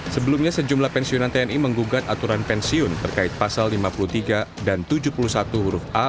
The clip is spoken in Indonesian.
sebelumnya sejumlah pensiunan tni menggugat aturan pensiun terkait pasal lima puluh tiga dan tujuh puluh satu huruf a